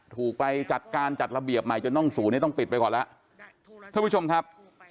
ถูกไปจัดการจัดระเบียบใหม่จนต้องศูนย์นี้ต้องปิดไปก่อนแล้วท่านผู้ชมครับ